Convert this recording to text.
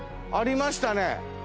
ありましたね。